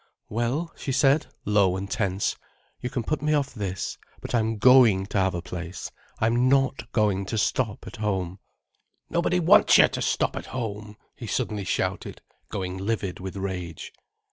"Well," she said, low and tense, "you can put me off this, but I'm going to have a place. I'm not going to stop at home." "Nobody wants you to stop at home," he suddenly shouted, going livid with rage.